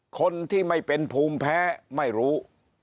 คนที่ไม่เป็นภูมิแพ้ไม่รู้